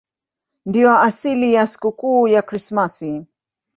Ndiyo asili ya sikukuu ya Krismasi.